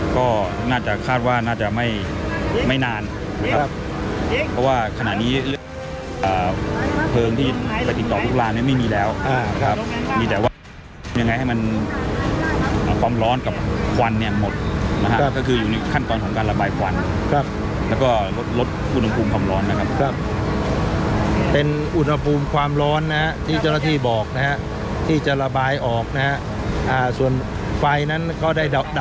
ก็น่าจะคาดว่าน่าจะไม่ไม่นานนะครับเพราะว่าขณะนี้เพลิงที่ไปติดต่อลูกลานเนี่ยไม่มีแล้วครับมีแต่ว่ายังไงให้มันความร้อนกับควันเนี่ยหมดนะฮะก็คืออยู่ในขั้นตอนของการระบายควันครับแล้วก็ลดลดอุณหภูมิความร้อนนะครับก็เป็นอุณหภูมิความร้อนนะที่เจ้าหน้าที่บอกนะฮะที่จะระบายออกนะฮะส่วนไฟนั้นก็ได้ดับ